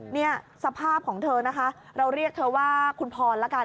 เนี่ยสภาพของเธอนะคะเราเรียกเธอว่าคุณพรละกัน